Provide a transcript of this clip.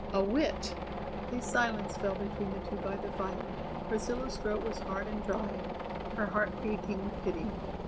A wit!" A silence fell between the two by the fire. Priscilla's throat was hard and dry, her heart aching with pity.